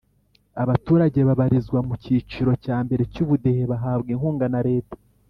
Abaturage babarizwa mukiciro cya mbere cyubudehe bahabwa inkunga na leta